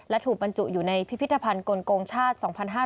และถูกบรรจุอยู่ในพิพิธภัณฑ์กลงชาติ๒๕๕๙